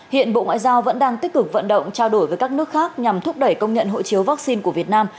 hiện bộ ngoại giao vẫn đang tích cực vận động trao đổi với các nước khác nhằm thúc đẩy công nhận hộ chiếu vaccine của việt nam